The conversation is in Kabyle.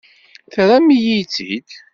Terram-iyi-tt-id.